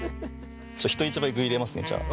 人一倍具入れますねじゃあ。